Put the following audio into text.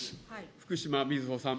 福島みずほさん。